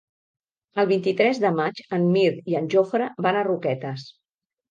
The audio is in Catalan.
El vint-i-tres de maig en Mirt i en Jofre van a Roquetes.